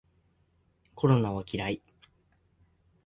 コロナは嫌い